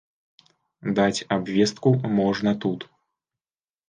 Даць абвестку можна тут.